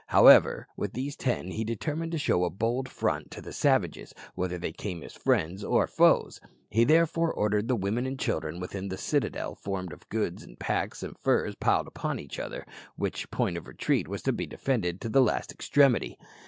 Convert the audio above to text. However, with these ten he determined to show a bold front to the savages, whether they came as friends or foes. He therefore ordered the women and children within the citadel formed of the goods and packs of furs piled upon each other, which point of retreat was to be defended to the last extremity.